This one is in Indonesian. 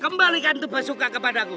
kembalikan tuba suka kepadaku